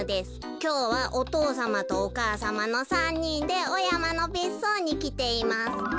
きょうはお父さまとお母さまの３にんでおやまのべっそうにきています。